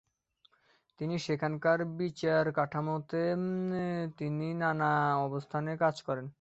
তিনি সেখানকার বিচার কাঠামোতে তিনি নানা অবস্থানে কাজ করেন।